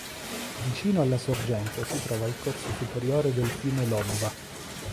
Vicino alla sorgente si trova il corso superiore del fiume Lobva.